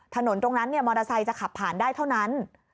ถนนตรงนั้นมอเตอร์ไซค์จะขับผ่านได้เท่านั้น